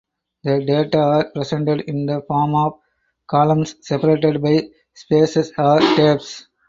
The data are presented in the form of columns separated by spaces or tabs.